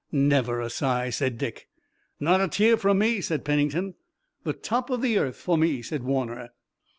"Never a sigh!" said Dick. "Not a tear from me," said Pennington. "The top of the earth for me," said Warner.